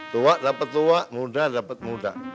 tua dapet tua muda dapet muda